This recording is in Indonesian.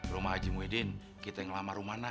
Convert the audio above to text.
rumah haji muhyiddin kita yang kelama rumana